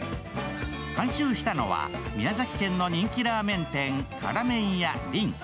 監修したのは宮崎県の人気ラーメン店、辛麺屋輪。